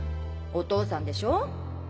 お父さんでしょ